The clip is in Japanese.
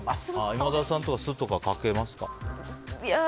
今田さんとか酢とかかけますか？